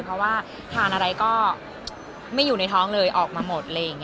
เพราะว่าทานอะไรก็ไม่อยู่ในท้องเลยออกมาหมด